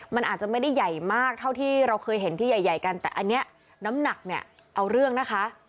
มันอาจจะไม่ได้ใหญ่มากเท่าที่เราเคยเห็นที่ใหญ่กันแต่อันนี้น้ำหนักเนี่ยเอาเรื่องนะคะ